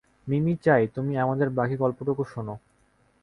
মিমি চায়, তুমি আমাদের বাকী গল্পটুকু শোন।